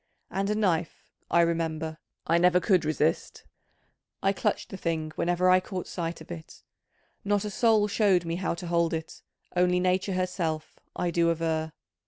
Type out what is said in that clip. And a knife, I remember, I never could resist: I clutched the thing whenever I caught sight of it: not a soul showed me how to hold it, only nature herself, I do aver.